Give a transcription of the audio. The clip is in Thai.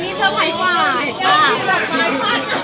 นี่พอถึงอันดัน